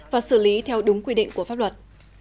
và xử lý theo đúng quy định của pháp luật